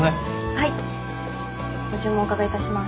はいご注文お伺いいたします